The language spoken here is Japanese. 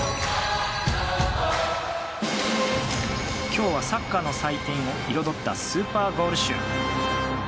今日はサッカーの祭典を彩ったスーパーゴール集。